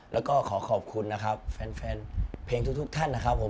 แล้วก็ขอขอบคุณนะครับแฟนเพลงทุกท่านนะครับผม